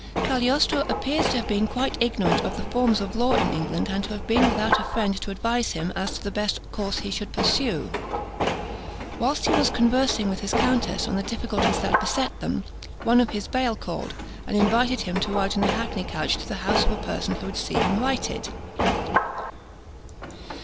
Cagliostro appears to have been quite ignorant of the forms of law in England, and to have been without a friend to advise him as to the best course he should pursue. While he was conversing with his countess on the difficulties that beset them, one of his bail called, and invited him to ride in a hackney coach to the house of a person who would see him righted.